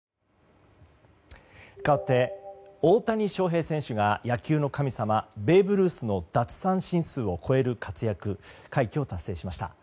かわって大谷翔平選手が野球の神様ベーブ・ルースの奪三振数を超える活躍快挙を達成しました。